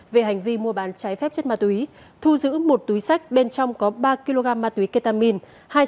về hành vi mua bán trái phép chất ma túy thu giữ một túi sách bên trong có ba kg ma túy ketamine